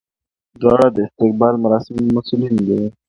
دواړه د استقبال مراسمو مسولین وو.